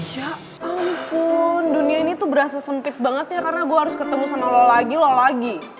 ampun dunia ini tuh berasa sempit banget ya karena gue harus ketemu sama lo lagi lo lagi